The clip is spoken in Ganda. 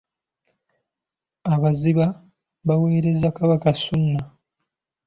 Abaziba baaweereza Kabaka Ssuuna.